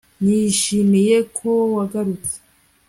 Nishimiye ko wagarutse